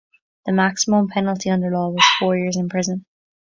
The maximum penalty under law was four years in prison.